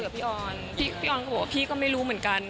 พี่ออนก็บอกว่าพี่ก็ไม่รู้เหมือนกัน